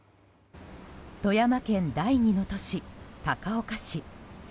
富山県第２の都市、高岡市。